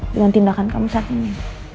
dengan tindakan kamu saat ini